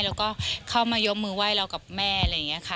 แล้วก็เข้ามายกมือไหว้เรากับแม่อะไรอย่างนี้ค่ะ